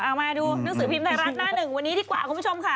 เอามาดูหนังสือพิมพ์ไทยรัฐหน้าหนึ่งวันนี้ดีกว่าคุณผู้ชมค่ะ